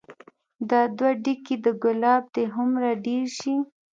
دا دوه ډکي د ګلاب دې هومره ډير شي